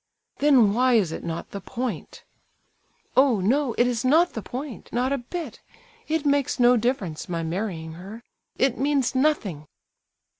"Then why is it 'not the point'?" "Oh, no, it is not the point, not a bit. It makes no difference, my marrying her—it means nothing."